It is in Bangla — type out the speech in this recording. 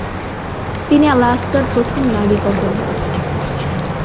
তিনি আলাস্কার প্রথম নারী গভর্নর।